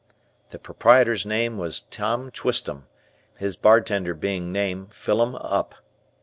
The proprietor's name was Tom Twistem, his bartender being named Fillem Up.